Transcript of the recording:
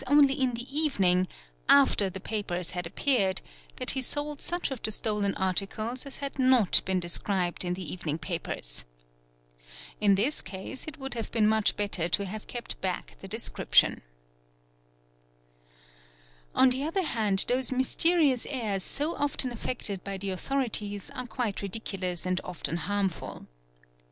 ae SARI LAMINA OS LOY ERT OB ALG A Te 294 THE SPHERE OF THE PRESS in the evening, after the papers had appeared, that he sold such of the stolen articles as had not been described in the evening papers. In this case it would have been much better to have kept back the description. On the other hand those mysterious airs so often affected by the — authorities are quite ridiculous and often harmful.